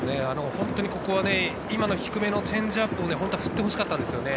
本当にここは今の低めのチェンジアップを本当は振ってほしかったんですよね。